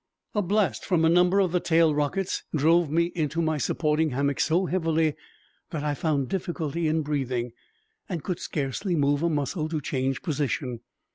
A blast from a number of the tail rockets drove me into my supporting hammock so heavily that I found difficulty in breathing, and could scarcely move a muscle to change position.